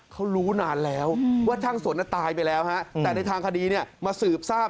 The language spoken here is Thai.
เขารู้นานแล้วว่าช่างสนตายไปแล้วฮะแต่ในทางคดีเนี่ยมาสืบทราบ